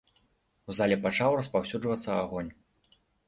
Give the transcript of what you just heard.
У зале пачаў распаўсюджвацца агонь.